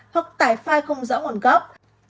hoặc tải file không rõ nguồn gốc